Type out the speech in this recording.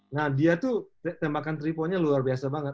nah dia tuh tembakan tiga nya luar biasa banget